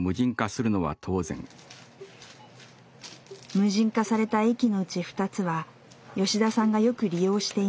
無人化された駅のうち２つは吉田さんがよく利用していました。